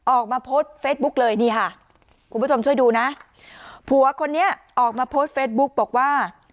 ออกมาโพสต์เฟซบุ๊กเลยนี่ค่ะ